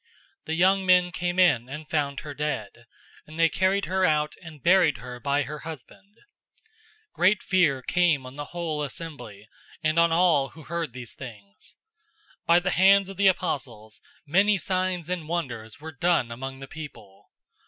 The young men came in and found her dead, and they carried her out and buried her by her husband. 005:011 Great fear came on the whole assembly, and on all who heard these things. 005:012 By the hands of the apostles many signs and wonders were done among the people.